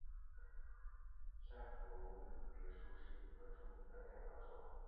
萨伏伊别墅是一个著名的代表作。